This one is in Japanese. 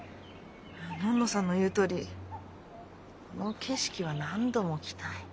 のんのさんの言うとおりこの景色は何度も来たい。